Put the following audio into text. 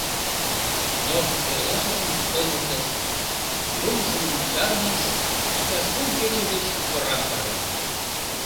Но эрлашыжым кылмыктыш, лум шулымым чарныш, иктаж кум кече гыч поран тарваныш.